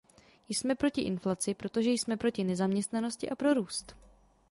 Jsme proti inflaci, protože jsme proti nezaměstnanosti a pro růst.